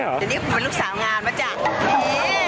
เดี๋ยวนี้ก็เป็นลูกสาวงานมาจ้ะ